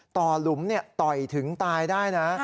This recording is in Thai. ต่อหลุมเนี่ยต่อยถึงตายได้นะ